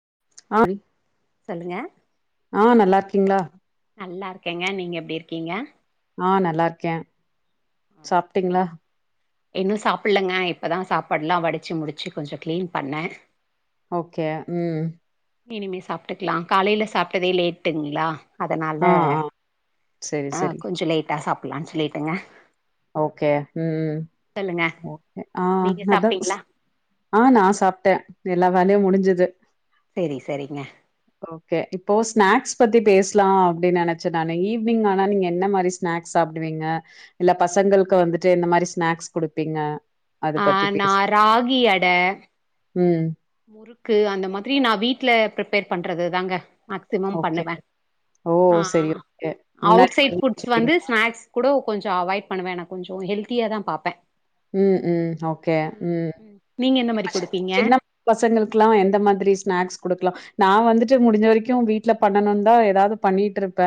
[inaudible] சொல்லுங்க ஆ நல்லார்க்கீங்ளா நல்லார்க்கேங்க நீங்க எப்டி இருக்கீங்க ஆ நல்லார்க்கே சொல்லுங்க இன்னு சாப்புல்லங்க இப்பதா சாப்பாடுலா வடிச்சு முடிச்சு கொஞ்ச க்ளீன் பண்ண ஓகே ம் இனிமே சாப்ட்டுக்லா காலைல சாப்ட்டதே லேட்டுங்ளா அதனால ஆ ஆ செரி ஆ செரி கொஞ்சு லேட்டா சாப்புலான் ஸ்லீட்டுங்க ஓகே ம் ம் ஓகே ஆ நீங்க அதா சாப்ட்டீங்களா ஆ நா சாப்ட்டே எல்லா வேல்யு முடிஞ்சித் செரி செரிங்க ஓகே இப்போ ஸ்நாக்ஸ் பத்தி பேஸ் க்லா அப்டி நெனச்ச நானு ஈவ்னிங் ஆனா நீங்க என்ன மாரி ஸ்நாக்ஸ் சாப்டுவீங்க இல்ல பசங்கள்க்கு வந்துட்டு எந்த மாரி ஸ்நாக்ஸ் குடுப்பீங்க அத ஆ பத்தி நா பேசு ராகி அட ம் முறுக்கு அந்த மாத்ரி நா வீட்ல ப்ருப்பேர் பண்றது தாங்க மேக்சிமம் ஓகே பண்ணுவே ஓ அ செரி ஓகே ஆ முன்னாடி அவுட் சைட் பண்ணி ஃபுட்ஸ் வந்து வச்சுப்பீங்களா ஸ்நாக்ஸ் கூடோ கொஞ்ச அவாய்ட் பண்ணுவே நா கொஞ்சொ ஹெல்தியா தா பாப்பே ம் ம் ஓகே ம் நீங்க என்ன மாரி குடுப்பீங்க சின்னம் பசங்கள்க்குலா எந்த மாத்ரி ஸ்நாக்ஸ் குடுக்லா நான் வந்துட்டு முடிஞ்ச வரிக்கு வீட்ல பண்ணணுன் தா எதாது பண்ணிட்ருப்ப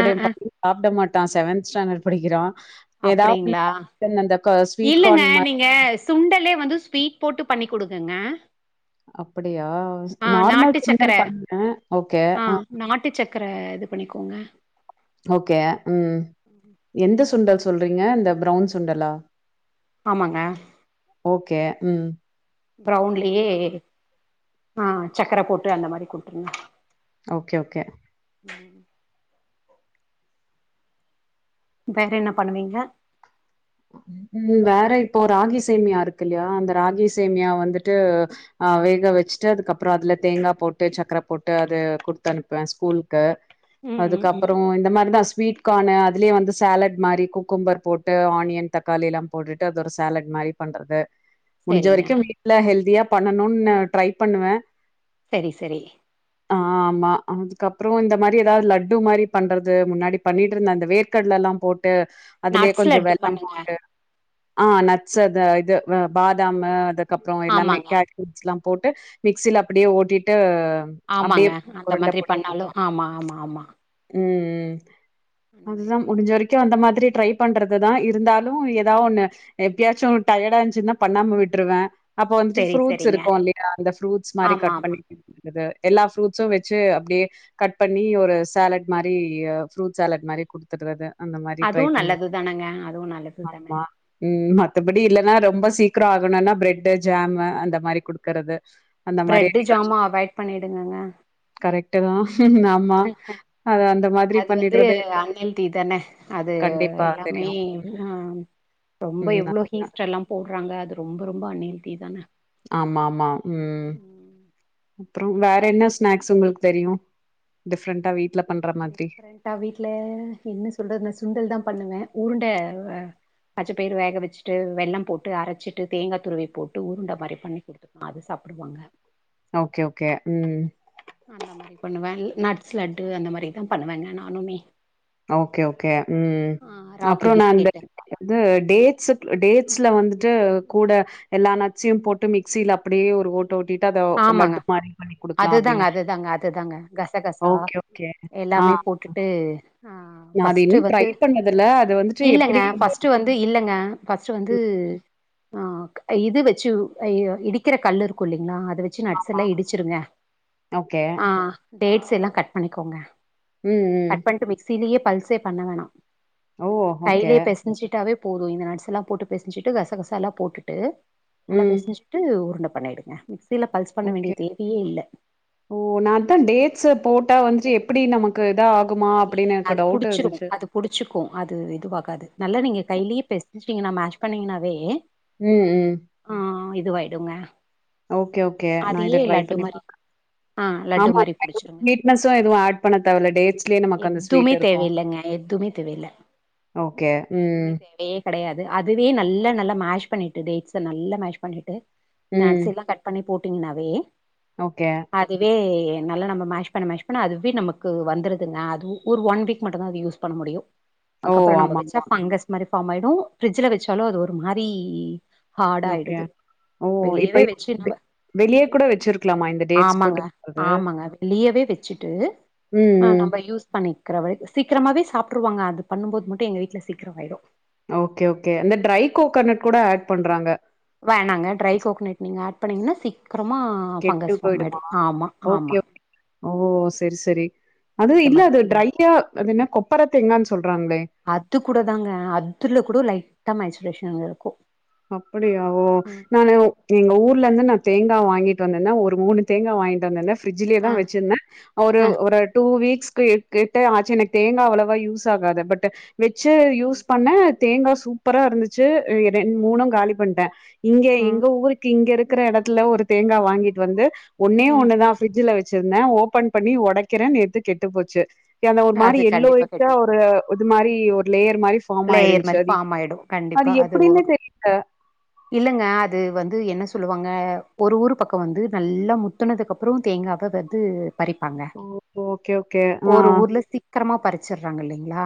ஆ என் ஆ [inaudible] ஆப்ட மாட்டா செவன்த் ஸ்டேண்டட் படிக்கிறா ஏதாவ்து [inaudible] அப்டிங்களா தின் அந்த காஸ் இல்லங்க நீங்க சுண்டலே வந்து ஸ்வீட் போட்டு பண்ணி் குடுங்கங்க அப்படியா ஆ நாட்டு நார்மல் சக்கர [inaudible] பண்ண ஓகே கற இது பண்ணிக்கோங்க ஓகே ம் எந்த சுண்டல் சொல்றீங்க இந்த ப்ரவுன் சுண்டலா ஆமாங்க கே ம் ப்ரவுன்லியே அ சக்கர போட்டு அந்த மாரி குடுத்ருங் ஓகே ஓகே உம் வேற என்ன பண்ணுவீங்க ம் வேற இப்போ ராகி சேமியா அருக்குல்யா அந்த ராகி சேமியா வந்துர் டு அ வேக வெச்ட்டு அதுக்கப்பற அதுல தேங்கா போட்டு சக்ர போட்டு அது குடுத்து அனுப்வ கூல்க ம் ம் ம் அதுக்கப்பரொ இந்த மாரி தாஸ் வீட் கானு அதுலே வந்து சேலட் மாரி குக்கும்பர் போட்டு ஆன்ய தக்காளி எலா போட்டுட்டு அது ஒரு சேலட் மாரி பண்றது முடிஞ்ச சரிங்க வரிக்கு வீட்ல ஹெல்தியா பண்ணணுனு ட்ரை பண்ணுவே சரி சரி ஆ ஆமா அதுக்கப்றோ இந்த மாரி எதாவது லட்டு மாரி பண்றது முன்னாடி பண்ணிட்டு இருந்த அந்த வேர்கடல எல்லாம் போ ட்டு அதுலயே நட்ஸ் கொஞ்சோ லட்டு வெல்லம் பண்ணுங்க போட்டு ஆ நட்ஸ் அது இது பாதாமு அதுக்கப்றோ எல்லாமே ஆமாங்க கேட்ரிட்ஜ் எல்லாம் போட்டு மிக்சில அப்டியே ஓட்டிட்டு அப்டியே ஆமாங்க அந்த உருண்ட மாதிரி புடிக்கிறது பண்ணாலு ஆமா ஆமா ஆமா ம் ம் அந்த மாரி அதுதா ட்ரை முடிஞ்ச பண்ணுங்க வரைக்கு அந்த மாதிரி ட்ரை பண்றதுதா இருந்தாலு எதா ஒண்ணு எப்பயாச்சு டயர்டா இருந்ச்சுனா பண்ணாம விட்டுருவே அப்ப வந்துட்டு சரி ஃப்ரூட்ஸ் சரிங்க இருக்கு இல்லயா அந்த ஃப்ரூட்ஸ் மாரி ஆமா கட் ஆமா பண்ணிக் குது எல்லா ஃப்ரூட்ஸு வெச்சு அப்டியே கட் பண்ணி ஒரு சேலட் மாரி ஃப்ரூட்ஸ் சேலட் மாரி அப்டியே குடுத்தர்றது அந்த மாரி ட்ரை அதுவு பண்ணொ நல்லது தானங்க அதுவு நல்லது தான ஆமா ம் மத்தபடி இல்லனா ரொம்ப சீ க்கிரோ ஆகணுனா பிரெட்டு் ஜேமு அந்த மாரி குடுக்கறது அந்த மாரி பிரெட்டு என்னைக்காச்சு ஜாமு ஒரு நாள் அவாய்ட் பண்ணிடுங்கங்க கரெக்ட்டுதா ஆமா அ அந்த மாரி அது வந்து பண்ணிடறது அன்ஹெல்தி தான அது கண்டிப்பா தெ எல்லாமே ரியு ஆ ரொம்ப எவ்ளோ ஹீஸ்ட் எல்லாம் போடுறாங்க அது ரொம்ப ரொம்ப அன்ஹெல்த்தி தான ஆமா ஆமா ம் அப்றோ வேற என்ன ஸ்நாக்ஸ் உங்களுக்கு தெரியு டிஃப்ரெண்டா வீட்ல பண்ற மாதிரி. டிஃப்ரெண்டா வீட்ல என்ன சொல்றது நா சுண்டல்தா பண்ணுவ உருண்ட பச்சப்பயிரு வேக வெச்சுட்டு வெள்ளம் போட்டு அரச்சிட்டு தேங்கா துருவி போட்டு உருண்ட மாரி பண்ணி குடுத்து அது சா ப்டுவாங்க ஓகே ஓகே ம் அந்த மாரி பண்ணுவ நட்ஸ் லட்டு அந்த மாரிதா பண்ணுவங்க நானுமே ஓகே ஓகே ம் ஆ ராகி அப்றோ நா அந்த பிஸ்கெட்டு அது டேஸ் டேஸ்ல வந்து து கூட எல்லா நட்ஸயும் போட்டு மிக்சில அப்டியே ஒரு ஓ ட்டிட்டு அத ஆமாங்க லட்டு மாரி பண்ணி குடுக்கலா அதுதாங்க அப்டின்னா அதுதாங்க அதுதாங்க கசகசா ஓகே ஓகே ஆ எல்லாமே போட்டுட்டு ஆ நான் அது ஃபஸ்ட்டு இன்னும் ட்ரை வந்து பண்ணதில்ல. அது வந்துட்டு இல்லங்க எப்படி அந்த ஃபஸ்ட்டு வந்து இல்லங்க ஃபஸ்ட்டு வந்து ம் து ஆ ஓகே இது வெச்சு இ இடிக்கிற கல்லு இருக்கு இல்லைங்ளா அது வெச்சு நட்ஸ் ஆமா. எல்லா இடிச்சிருங்க ஓகே. ஆ டேட்ஸ் எல்லா கட் பண்ணிக்கோங்க ம், ம். கட் பண்ணிட்டு மிக்சிலயே பல்சே பண்ண வேணா ஓ! ஓகே. கைலயே பெசஞ்சிட்டாவே போது இந்த நட்ஸ் எல்லா போட்டு பெசஞ்சிட்டு கசகசா எல்லா போட்டுட்டு நல்லா ம். பெசஞ்சிட்டு உருண்ட பண்ணிடுங்க மிக்ஸ் ஓகே நான்தா டேட்ஸ்ஸ போ ட்டா வந்துட்டு எப்டி நமக்கு இதா ஆகு இல்லங்க அது புடிச்சிரு அது புடிச்சுக்கு அது இதுவாகாது நல்லா நீங்க கைலயே பெசச்சீங்கன்னா மேஷ் பண்ணீங்கனாவே ம் ம் ஆ இதுவாயிடுங்க ஓகே ஓகே நா இத அதையே ட்ரை லட்டு பண்ணி மாரி பாக்கற ஆ லட்டு ஆமா மாரி புடிச்சிருங்க ஸ்வீட்னஸ் எதுவு ஆட் பண்ண தேவ இல்ல டேட்ஸ்லயை எதுமே தேவயில்லங்க எதுமே தேவயில்ல ஓகே. எதுமே ம், தேவயில்ல கெடையாது அதுவே நல்ல நல்லா மேஷ் பண்ணிட்டு டேட்ஸ்ஸ நல்லா மேஷ் பண்ணிட்டு ம். நட்ஸ் எல்லா கட் பண்ணி போட்டீங்கன்னாவே ஓகே. அதுவே நல்லா நம்ம மேஷ் பண்ண மேஷ் பண்ண அதுவே நமக்கு வந்துருது ங்க அது ஒரு ஒன் வீக் மட்டுதா யூஸ் பண்ண முடியு ஓ! அதுக்கப்றோ நம்ம வெச்சா ஆமாமா. ஃபங்கஸ் மாரி ஃபார்மாயிடு ஃப்ரிட்ஜ்ல வெச்சாலு அது ஒரு மாரி ஹார்டு ஓகே. ஆயிடுது ஓ! இப்ப வெளியவே வச்சு இது நம்ப வெளிய கூட வச்சிருக்கலாமா? இந்த டேட்ஸ் ஆமாங்க போட்டு பண்றது? ஆமாங்க வெளியவே வச்சுட்டு ம், ஆ ம். நம்ம யூஸ் பண்ணிக்கிறவே சீக்கிரமாவே சாப்டுருவாங்க அது பண்ணும்போது மட்டு எங்க வீட்ல சீக்ரமாயிடு ஓகே ஓகே அந்த ட்ரை கோகனட் கூட ஆட் பண்றாங்க வேணாங்க ட்ரை சி கோகனட் நீங்க ஆட் பண்ணீங்கனா சீக் க்றமா கெட்டு ஃபங்கஸ் ஃபார்மாயிடு போயிடுமா? ஆமா ஓகே, ஆமா ஓகே. ஓ செர் செரி அதூ இந்த இல்ல மாரி அது ட்ரையா அது என்ன கொப்பர தேங்கான் சொல் அது கூட தாங்க அதுல கூட லைட்டா மேஸ்லேஷன் இர்க்கூ அப்படியா ஓ நானு எங்க ஊர்லந்து நா தேங்கா வாங்கிட்டு வந்தன்னா ஒரு மூணு தேங்கா வாங்கிட்டு வந்தன ஃப்ரிட்ஜ்லே தா ஆ வச்சிந்த ஒரு ஆ ஒரு டூ வீக் க்ஸ்கு கிட்ட ஆச்சு எனக்கு தேங்கா அவ்ளவா யூஸ் ஆகாது பட் வச்சு யூஸ் ம் பண்ண தேங்கா சூப்பரா இர்ந்துச்சு ரெண் ம் மூணூ காலி பண்டே இங்க ம் எங்க ஊருக்கு இங்கருக் க்ற எடத்துல ஒரு தேங்கா வாங்கிட்டு வந்து ஒன்னே ம். ஒன்னு தா ஃப்ரிட்ஜ்ல வச் சிர்ந்த ஓபன் பண்ணி ஒடைக்கிற நேத்து கெட்டு போச்சு அந்த ஒரு மாரி அது கண்டிப்பா எல்லோயிஷ்ஷா ஒரு கெட்டுடுங்க இது மாரி ஒரு லேயர் மாரி ஃபார்ம் லேயர் மாரி ஆயிர்ந்த்சாடி ஃபார்ம் ஆயிடு அது கண்டிப்பா ஒ எப்டின்னே தெர் இல்லங்க அது வந்து என் ந சொல்லுவாங்க ஒரு ஊர் பக்கோ வந்து நல்லா முத்துனதுக்கப்றோ தேங்காவ வது பறிப்பாங்க ஓகே ஓகே ஆ ஒரு ஊர்ல சீக்ரமா பறிச்சிர்றாங்க இல்லைங்ளா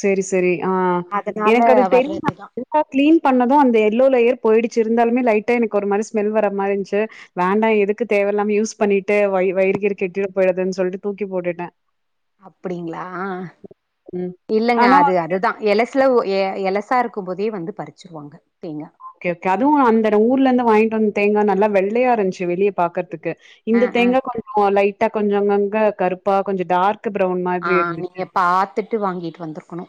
செரி செரி ஆ எனக்கு அது தெரியு நா வர்றதுதா நல்லா க்ளீன் பண்ணதூ அந்த எல்லோ லேயர் போயிடுச்சி இர்ந்தாலுமே லைட்டா எனக்கு ஒரு மாரி ஸ்மெல் வர மாரிந்த்ச்சு வேண்டா எதுக்கு தேவயில்லாம யூஸ் பண்ணிட்டு வயிறு கியிறு கெட்டிட போயிடுதுன் சொல்ட்டு தூக்கி போட்டுட்டே அப்பிடிங்ளா ம் இல்லங்க ஆனா அது அதுதா எளசுல ஒ எ எளசா இருக்கும் போதே வந்து பறிச்சிருவாங்க தேங்கா கே ஓகே அதுவூ அந்தட ஊர்லந்து வாய்ங்ட்டு வந்த தேங்கா நல்லா வெள்ளையா இர்ந்துச்சு வெளியே பாக்கற்துக்கு ஆ இந்த ஆ தேங்கா கொஞ்சோ லைட்டா கொஞ்சோங்கங்க கருப்பா கொஞ்சோ டார்க் ப்ரவுன் ஆ மாதிரி இருந்துச்சு நீங்க பாத்துட்டு வாங்கிட்டு வந்துருக்ணு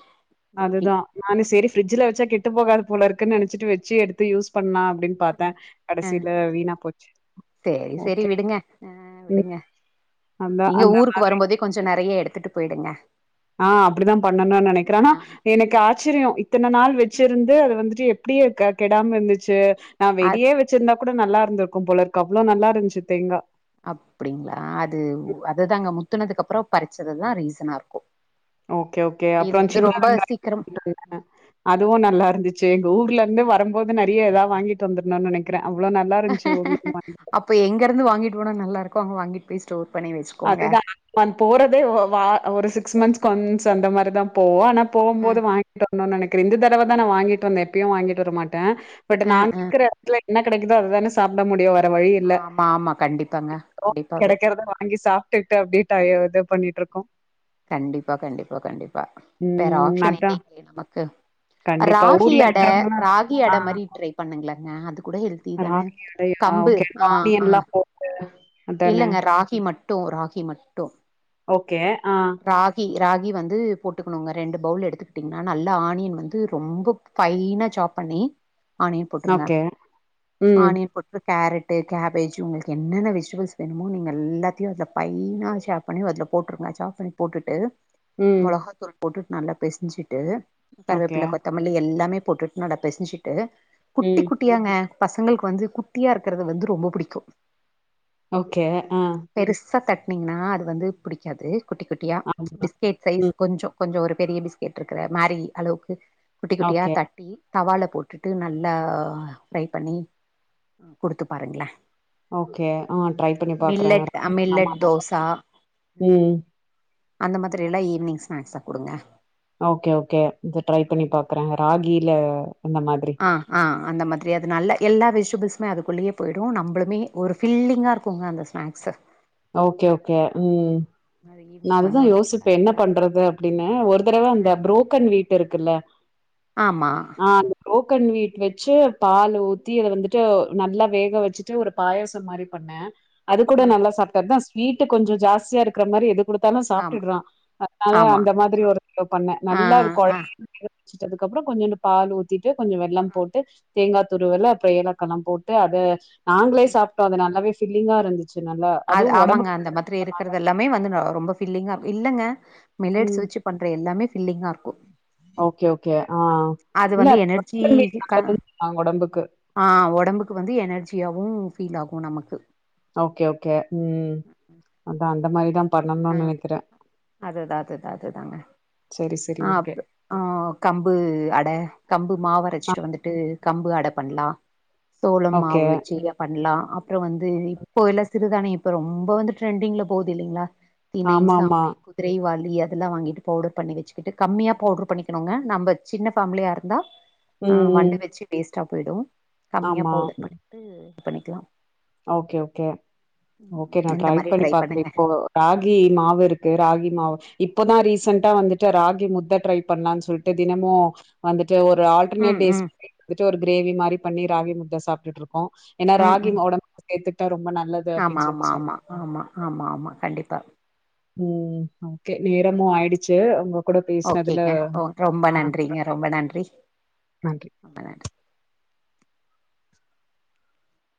அதுதா நானு செரி ஃப்ரிட்ஜ்ல வச்சா கேட்டு போகாது போலருக்குன் நனைச்சிட்டு வச்சு எடுத்து யூஸ் பண்ணா அப்டின் ஆ பாத்தே ஆ கடசில வீணா போச்சு சேரி செரி ஓகே விடுங்க ஆ ம் விடுங்க அதான் நீங்க அந்த ஊருக்கு வரும்போதே கொஞ்சோ நறைய் எடுத்துட்டு போயிடுங்க ஆ அப்பிடிதா பண்ணணூ ஆ நனைக்கிறே ஆனா எனக்கு ஆச்சிரியோ இத்தன நாள் வச்சிருந்து அது வந்துட்டு எப்டி அ கெடாம இர்ந்துச்சு நா அது வெளியே வச்சிர்ந்தா கூட நல்லார்ந்திருக்கூ போலருக்கு அவ்ளோ நல்லார்ந்துச்சு தேங்கா அப்பிடிங்ளா அது அதுதாங்க முத்துனதுக்கப்பறோ பறிச்சதுதா ரீசனார்க்கூ ஓகே ஓகே அப்றோ சின்ன வெங்காய் [inaudible] சீக்கிரம் அதுவூ நல்லார்ந்து செ எங்கூர்லந்து வரும் போது நறைய ஏதாவ வாங்கிட்டு வந்துர்ணூ நனைக்கிறே அப்ப எங்கர்ந்து வாங்கிட்டு போனா நல்லார்க்கோ அங்க வாங்கிட்டு போய் ஸ்டோர் பண்ணி வச்சுக்கோங்க அதுதா நா போறதே ஒ வா ஒரு சிக்ஸ் மந்த்ஸ்க்கு ஒன்ஸ் அந்த மாரிதா போவோ ஆனா போவும் ஆ போது வாங்கிட்டு வந்துன் நனைக்கிற இந்த தடவ தா வாங்கிட்டு வந்தே எப்பயு வாங்கிட்டு வரமாட் ட பட் ஆ ஆ நாங்க்கிற எடத்துல என்ன கெடைக்குதோ அதுதானே சாப்ட முடியூ ற வழி இல்ல ஆமா ஆமா கண்டிப்பாங்க [inaudible] கண்டிப்பாவே கெடைக்குறத நா இ சாப்டுட்டு அப்டியே டயடா பண்ணிட்ருக்கோ கண்டிப்பா கண்டிப்பா கண்டிப்பா வேற ம் ஆப்ஷன் அதான். இல்லையே நமக்கு கண்டிப்பா. ராகி ஊர்ல அட இருக்கிறவங்கலாம் ராகி அட ஆ மாரி ட்ரை பண்ணுங்ளே கூட ஹெல்த்தி தானே ராகி அடையா? கம்பு ஓகே. ஆ ஆ ஆனியன்லாம் போட்டு அதானே. இல்லங்க ராகி மட்டூ ராகி மட்டு ஓகே ஆ கி வந்து போட்டுக்குணுங்க ரெண்டு பவுல் எடுத்துட்டீங்னா நல்ல ஆனியன் வந்து ரொம்ப ஃபைனா சாப் பண்ணி ஆணியன் போட்டுருங்க ஓகே. ம். ஆணியன் போட்டுரு கேரட்டு கேபேஜ் உங்களுக்கு என்னென்ன வெஜிடஃபுள்ஸ் வேணுமோ நீங்க எல்லாத்தையும் அதில் பைனாக ஷேர் பண்ணி அதுல போட்டுருங்க சாஃப் பண்ணி போட்டுட்டு ம். மிளகாத்தூள் போட்டுட்டு நல்லா பெசஞ்சிட்டு ஓகே. கருவேப்பிள்ள கொத்தமல்லி எல்லாமே போட்டுட்டுன நல்ல பிசஞ்சுட்டு குட்டி ம். குட்டியாங்க பசங்களுக்கு வந்து குட்டியா இருக்குறது வந்து ரொம்ப புடிக்கும் ஓகே ஆஹ் நீங்கன்னா அது வந்து பிடிக்காது குட்டி குட்டியா ஆமா. பிஸ்கெட் சைஸ் ம். கொஞ்சம் கொஞ்சம் ஒரு பெரிய பிஸ்கட் இருக்கிற மாரி அளவுக்கு குட்டி குட்டியா ஓகே. தட்டி தவால போட்டுட்டு நல்லா ஃப்ரை பண்ணி குடுத்து பாாருங்களே ஓகே ஆஹ் ட்ரை பண்ணி பாக்குறேன் ஆமா மில்லட் ஆமா ஆமா தோசா உம் உம் அந்த மாதிரி எல்லாம் ஈவி்னிங் ஸ்நாக்ஸா குடுங்க ஓகே ஓகே ட்ரை பண்ணி பாக்குறேன் ராகில அந்த மாதிரி. ஆஹ் ஆஹ் அந்த மாதிரி அது நல்ல எல்லா விஷ புதுசுனா அதுக்குள்ளயே போயிடும் நம்மளுமே ஒரு ஃபில்லிங்கா இருக்குங்க அந்த ஸ்நாக்ஸ்ஸு ஓகே ஓகே உம் அது நா ஈவினிங் வந்த வந்து ஒடனே யோசிப்பேன் என்ன பண்றது அப்படின்னு ஒரு தடவ அ அந்த புரோக்கன் வீட் இருக்குல்ல ஆமா ஆ அந்த புரோக்கன் வீட் வச்சு பால் ஊத்தி இத வந்துட்டு நல்லா வேக வச்சுட்டு ஒரு பாயசம் மாதிரி பண்ணேன் அது கூட அ நல்லா சாப்பிட்டா தா ஸ்வீட் கொஞ்சம் ஜாஸ்தியா இருக்ர மாரி எதுக் கொடுத்தாலும் ஆமா சாப்பிட்டுறான் அதனால ஆமா அந்த மாதிரி ஒரு பண்ணேன் ஆ நல்லா ஆ கொழயா சிட்டதுக் அப்றோ கொஞ்சுண்டு பால் ஊத்திட்டு கொஞ்சம் வெள்ளம் போட்டு தேங்கா துருவல்லா அப்றோ ஏலக்காலாம் போட்டு அத நாங்ளே சாப்ட்டோ அத நல்லாவே ஃபிலிங்கா இருந்துச் அது ஆமாங்க அந்த மாதிரி இருக்குறது எல்லாமே வந்து ரொம்ப ஃபிலிங்கா இல்லங்க ம் மில்லட்ஸ் வச்சு பண்ற எல்லாமே ஃபில்லிங்காருக்கும் ஓகே ஓகே ஆ அது இல்ல வந்து எனர்ஜி புரோட்டீன் மீட் நல்லதுன்னு சொன்னாங்க ஒடம்புக்கு ஆ ஒடம்புக்கு வந்து எனர்ஜியாவும் ஃபீல் ஆகும் நமக்கு ஓக்கே ஓக்கே உம் அதா அந்த மாரிதா ஆ பண்ணணுன் நெனைக்குற அதுதா அதுதா அதுதாங்க செரி ஓகே ஆப் ஆ கம்பு அட கம்பு மாவு ஆ அரச்சிட்டு வந்துட்டு கம்பு அட பண்லா சோளம் ஓகே மாவு வெச்சி பண்லா அப்றோ வந்து இப்போ எல்லா சிறுதான்யம் இப்ப ரொம்ப வந்து ட்ரெண்டிங்ல போது இல்லைங்ளா திணை ஆமா ஆமா சாமை குதிரைவாளி அதெல்லா வாங்கிட்டு பவுடர் பண்ணி வச்சிக்கிட்டு கம்மியா பவுட்ரு பண்ணிக்கணுங்க நம்ப சின்ன ஃபமிலியாருந்தா ஆ ம் ம் வண்டு வச்சி வேஸ்ட்டாப் போய்டும் கம்மியா ஆமா பவுடர் பண்ணிட்டு இது பண்ணிகலாம் ஓகே ஓகே ஓகே நா இந்த ட்ரை மாரி பண்ணி பாக்குற பண்ணுங்க இப்போ ராகி மாவு இருக்கு ராகி மாவு இப்பதா ரீசண்ட்டா வந்துட்டு ராகி முத்த ட்ரை பண்ணலான் சொல்ட்டு தினமும் வந்துட் ஒரு ஆல்ட்ருனேட் ம் டேஸ் ம் வெச் ஒரு க்ரேவி மாரி பண்ணி ராகி முத்த சாப்ட்டுட்ருக் கோ ஏனா ம் ராகி ம் ஒடம் சேத்துட்டா ஆமா ஆமா ஆமா ஆமா ஆமா ஆமா கண்டிப்பா ஊம் ஹ ஓகே நேரமும் ஆய்டுச்சு உங்க கூட பேசுனதுல ஓகேங்க ஓ ரொம்ப நன்றிங்க ரொம்ப நன்றி [inaudible] ரொம்ப நன்றி